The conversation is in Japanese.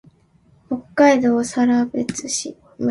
北海道更別村